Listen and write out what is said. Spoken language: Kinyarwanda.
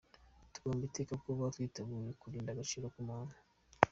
Tugomba iteka kuba twitegura kurinda agaciro ka muntu.